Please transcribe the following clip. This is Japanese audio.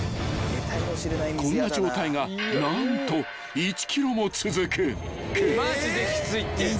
［こんな状態が何と１ｋｍも続く］えっ？